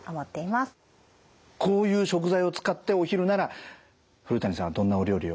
こういう食材を使ってお昼なら古谷さんはどんなお料理を？